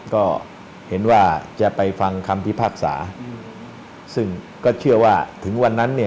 ก็เห็นว่าจะไปฟังคำพิพากษาซึ่งก็เชื่อว่าถึงวันนั้นเนี่ย